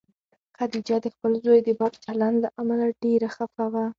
خدیجه د خپل زوی د بد چلند له امله ډېره خفه وه.